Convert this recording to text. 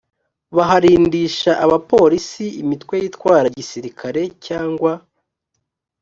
baharindisha abaporisi imitwe yitwara gisirikare cyangwa